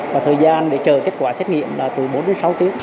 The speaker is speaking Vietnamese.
và thời gian để chờ kết quả xét nghiệm là từ bốn đến sáu tiếng